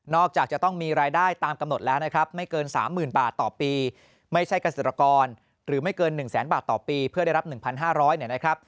จากจะต้องมีรายได้ตามกำหนดแล้วนะครับไม่เกิน๓๐๐๐บาทต่อปีไม่ใช่เกษตรกรหรือไม่เกิน๑แสนบาทต่อปีเพื่อได้รับ๑๕๐๐เนี่ยนะครับ